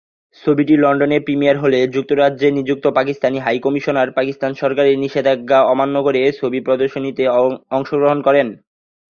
ছবিটি লন্ডনে প্রিমিয়ার হলে যুক্তরাজ্যে নিযুক্ত পাকিস্তানি হাই কমিশনার পাকিস্তান সরকারের নিষেধাজ্ঞা অমান্য করে ছবির প্রদর্শনীতে অংশগ্রহণ করেন।